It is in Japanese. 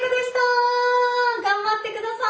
頑張ってください。